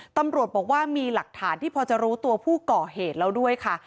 ตำรวจบอกว่ามีหลักฐานที่พอจะรู้ตัวผู้ก่อเหตุแล้วด้วยค่ะ